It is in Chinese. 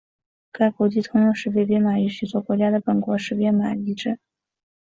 该国际通用识别编码与许多国家的本国识别码相一致。